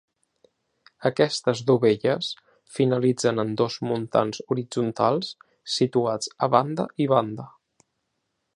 Aquestes dovelles finalitzen en dos muntants horitzontals situats a banda i banda.